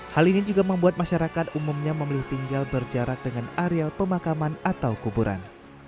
hal ini juga membuat masyarakat umumnya memilih tinggal berjarak dengan areal pemakaman atau kuburan